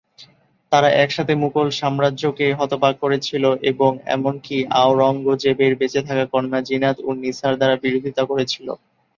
তারা একসাথে মুঘল সাম্রাজ্যকে হতবাক করেছিল এবং এমনকি আওরঙ্গজেবের বেঁচে থাকা কন্যা জিনাত-উন-নিসার দ্বারা বিরোধিতা করেছিল।